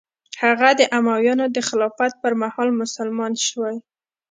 هغه د امویانو د خلافت پر مهال مسلمان شوی.